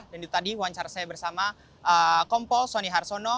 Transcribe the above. dan itu tadi wawancara saya bersama kompol sonny harsono